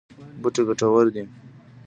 بوټي ګټور دي.